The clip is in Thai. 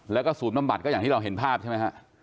แล้วก็ศูนย์บำบัดก็อย่างที่เราเห็นภาพใช่ไหมฮะ